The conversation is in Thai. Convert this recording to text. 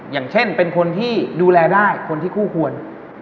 อย่างเช่นเป็นคนที่ดูแลได้คนที่คู่ควร